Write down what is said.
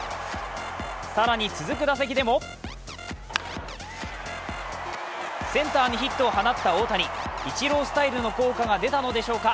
更に続く打席でもセンターにヒットを放った大谷イチロースタイルの効果が出たのでしょうか。